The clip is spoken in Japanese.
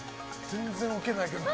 全然ウケてないけど。